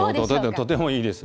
とてもいいです。